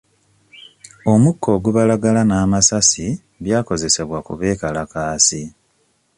Omukka ogubalagala n'amasasi byakozesebwa ku beekalakaasi.